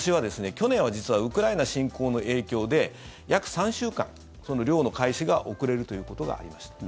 去年は、実はウクライナ侵攻の影響で約３週間、その漁の開始が遅れるということがありました。